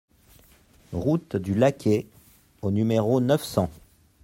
Route du Lacay au numéro neuf cents